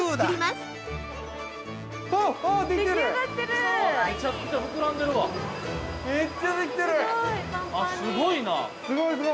◆すごいな。